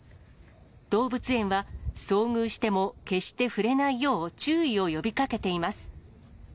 動物園は、遭遇しても決して触れないよう注意を呼びかけています。